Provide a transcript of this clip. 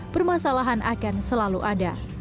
permasalahan akan selalu ada